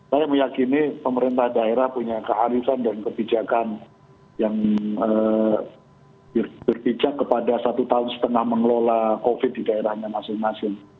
saya meyakini pemerintah daerah punya kearifan dan kebijakan yang berpijak kepada satu tahun setengah mengelola covid di daerahnya masing masing